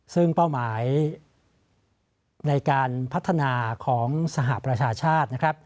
ซึ่งเป้าหมายในการพัฒนาของสหประชาชาตินะครับ